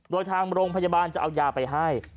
โดยทางโรงพยาบาลจะเอายาไปให้